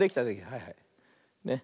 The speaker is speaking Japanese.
はいはい。ね。